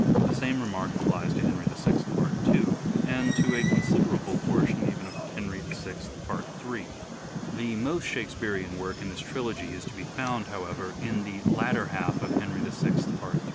The same remark applies to " Henry VI," part 2, and to a considerable portion even of " Henry VI," part 3. The most Shakespearean work in this trilogy is to be found, however, in the latter half of "Henry VI," part 3.